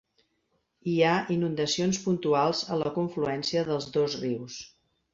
Hi ha inundacions puntuals a la confluència dels dos rius.